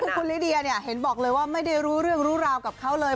คือคุณลิเดียเนี่ยเห็นบอกเลยว่าไม่ได้รู้เรื่องรู้ราวกับเขาเลย